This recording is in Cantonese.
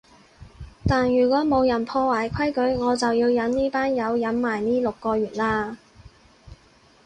但如果冇人破壞規矩，我就要忍呢班友忍埋呢六個月喇